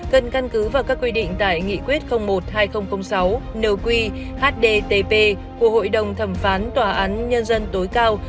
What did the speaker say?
cần căn cứ vào các quy định tại nghị quyết một hai nghìn sáu nq hdtp của hội đồng thẩm phán tòa án nhân dân tối cao